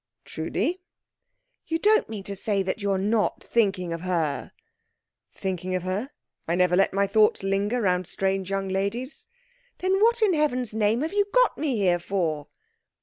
"Trudi?" "You don't mean to say that you are not thinking of her?" "Thinking of her? I never let my thoughts linger round strange young ladies." "Then what in heaven's name have you got me here for?"